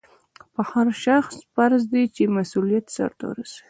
په هر شخص فرض دی چې مسؤلیت سرته ورسوي.